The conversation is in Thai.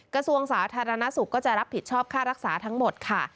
กระทรวงสาธารณสุขก็จะรับผิดชอบค่ารักษาทั้งหมดค่ะ